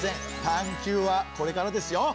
探究はこれからですよ。